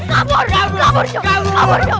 kabur kabur kabur